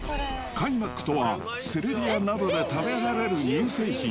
カイマックとは、セルビアなどで食べられる乳製品。